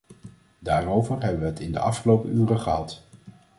Daarover hebben we het in de afgelopen uren gehad.